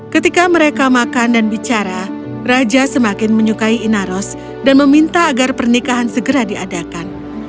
ketika mereka makan dan bicara raja semakin menyukai inaros dan meminta agar pernikahan segera diadakan